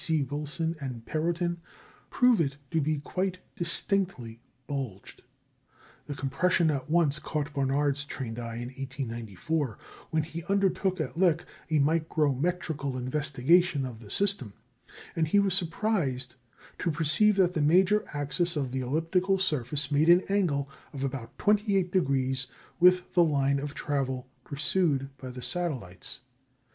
C. Wilson and Perrotin, prove it to be quite distinctly bulged. The compression at once caught Barnard's trained eye in 1894, when he undertook at Lick a micrometrical investigation of the system; and he was surprised to perceive that the major axis of the elliptical surface made an angle of about 28° with the line of travel pursued by the satellites.